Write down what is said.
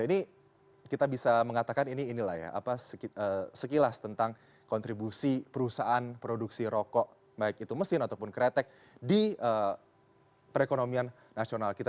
ini kita bisa mengatakan ini inilah ya apa sekilas tentang kontribusi perusahaan produksi rokok baik itu mesin ataupun kretek di perekonomian nasional kita